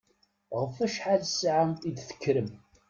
Ɣef wacḥal ssaɛa i d-tekkrem?